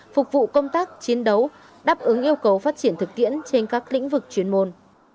phục vụ công tác chiến đấu đáp ứng yêu cầu phát triển thực tiễn trên các lĩnh vực chuyên môn